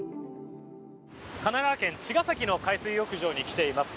神奈川県茅ヶ崎の海水浴場に来ています。